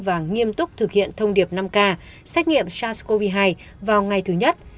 và nghiêm túc thực hiện thông điệp năm k xét nghiệm sars cov hai vào ngày thứ nhất